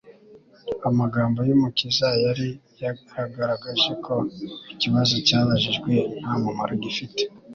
Amagambo y'Umukiza yari yagaragaje ko ikibazo cyabajijwe nta mumaro gifite,